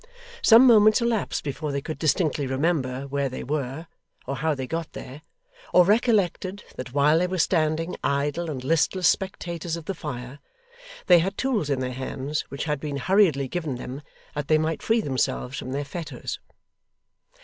Some moments elapsed before they could distinctly remember where they were, or how they got there; or recollected that while they were standing idle and listless spectators of the fire, they had tools in their hands which had been hurriedly given them that they might free themselves from their fetters.